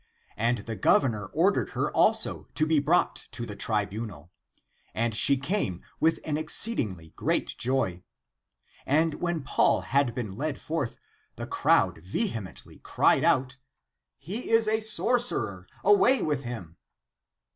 And the Gov 22 THE APOCRYPHAL ACTS ernor ordered her also to be brought to [the trib unal], and she came with an exceedingly great joy. And when Paul had been led forth, the crowd vehe mently cried out, " He is a sorcerer, away with him!